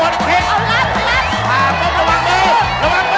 เราลบลงแล้ว